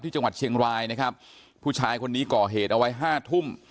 จังหวัดเชียงรายนะครับผู้ชายคนนี้ก่อเหตุเอาไว้ห้าทุ่ม